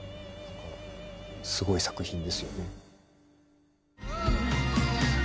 すごい作品ですよね。